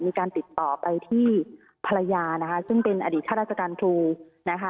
มีการติดต่อไปที่ภรรยานะคะซึ่งเป็นอดีตข้าราชการครูนะคะ